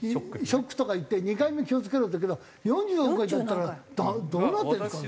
ショックとかいって２回目気を付けろっていうけど４４回だったらどうなってるんですか？